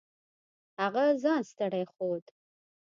هغه ځان ستړی ښود.